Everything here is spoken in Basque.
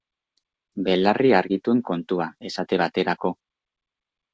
Belarri argituen kontua, esate baterako.